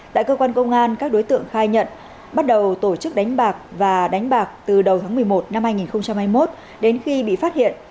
tại cơ quan công an các đối tượng khai nhận bắt đầu tổ chức đánh bạc và đánh bạc từ đầu tháng một mươi một năm hai nghìn hai mươi một đến khi bị phát hiện